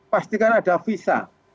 pastikan ada visa